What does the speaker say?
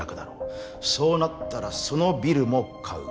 そうなったらそのビルも買う。